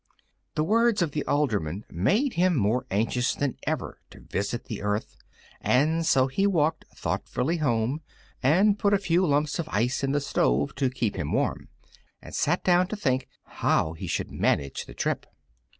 The words of the alderman made him more anxious than ever to visit the earth, and so he walked thoughtfully home, and put a few lumps of ice in the stove to keep him warm, and sat down to think how he should manage the trip.